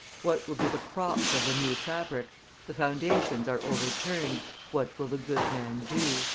What will be the props of the new fabric? The foundations are overturned; what will the good man do?"